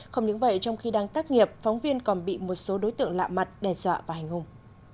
không những vậy trong khi đang tác nghiệp phóng viên còn bị một số đối tượng lạ mặt đe dọa và hành hùng